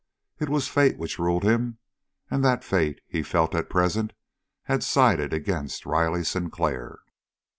It was fate which ruled him. And that fate, he felt at present, had sided against Riley Sinclair.